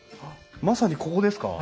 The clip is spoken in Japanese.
まさにここですか？